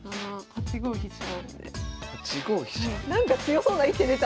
８五飛車。